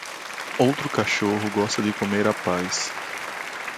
Outro cachorro gosta de comer a paz.